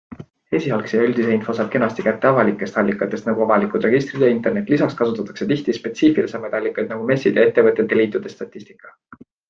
Esialgse ja üldise info saab kenasti kätte avalikest allikatest nagu avalikud registrid ja internet, lisaks kasutatakse tihti spetsiifilisemaid allikaid nagu messid ja ettevõtete liitude statistika.